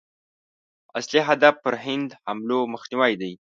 اصلي هدف پر هند حملو مخنیوی دی.